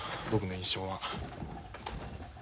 僕の印象は。